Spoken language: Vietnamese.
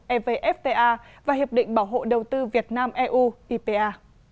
evfta và hiệp định bảo hộ đầu tư việt nam eu ipa